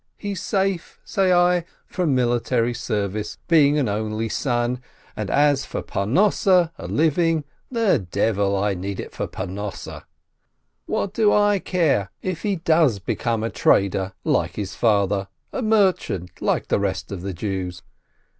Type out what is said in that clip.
He's safe/' say I, "from military service, being an only son, and as for Parnosseh, devil I need it for Parnosseh ! What do I care if he does become a trader like his father, a merchant like the rest of the Jews?